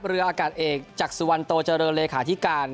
เรืออากาศเอกจากสุวรรณโตเจริญเลขาธิการ